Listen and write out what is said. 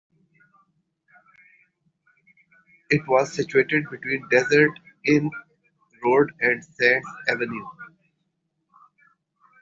It was situated between Desert Inn Road and Sands Avenue.